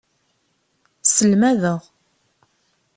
Selmadeɣ.